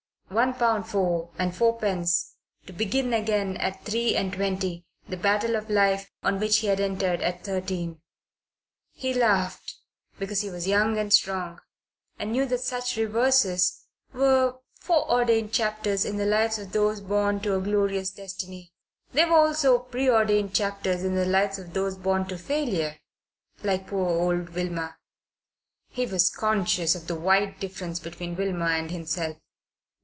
One pound four and fourpence to begin again at three and twenty the battle of life on which he had entered at thirteen. He laughed because he was young and strong, and knew that such reverses were foreordained chapters in the lives of those born to a glorious destiny. They were also preordained chapters in the lives of those born to failure, like poor old Wilmer. He was conscious of the wide difference between Wilmer and himself.